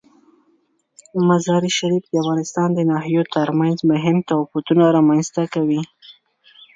مزارشریف د افغانستان د ناحیو ترمنځ مهم تفاوتونه رامنځ ته کوي.